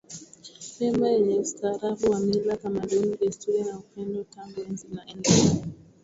Pemba yenye ustaarabu wa mila tamaduni desturi na upendo tangu enzi na enzi